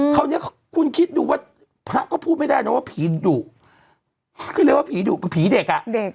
คราวนี้คุณคิดดูว่าพระก็พูดไม่ได้ว่าผีดุคือเรียกว่าผีเด็ก